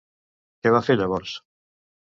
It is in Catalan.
Què va fer llavors?